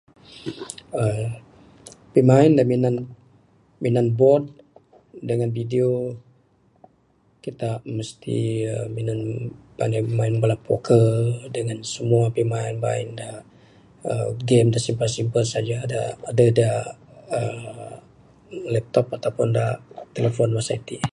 aaa pimain da minan board dengan video, kita misti aaa minan meng nan inya main bala pocker dengan semua pimain main da aaa game da simple-simple saja da adeh da aaa meng laptop ataupun da tlephone masa ti.